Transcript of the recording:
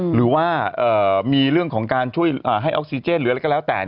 หรือว่ามีเรื่องของการช่วยให้ออกซิเจนหรืออะไรก็แล้วแต่